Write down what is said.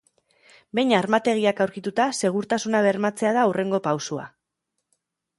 Behin armategiak aurkituta, segurtasuna bermatzea da hurrengo pausoa.